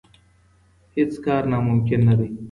هيڅ کار ناممکن نه دی.